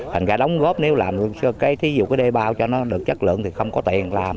thành ra đóng góp nếu làm cái thí dụ cái đê bao cho nó được chất lượng thì không có tiền làm